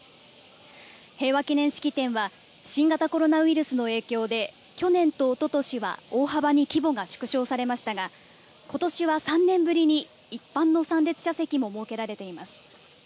平和記念式典は、新型コロナウイルスの影響で、去年とおととしは大幅に規模が縮小されましたが、ことしは３年ぶりに一般の参列者席も設けられています。